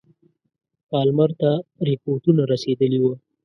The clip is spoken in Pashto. پالمر ته رپوټونه رسېدلي وه.